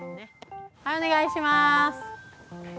はいお願いします。